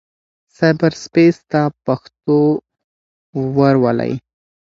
سايبر سپېس ته پښتو ورولئ.